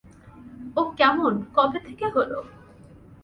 ও এমন কবে থেকে হলো?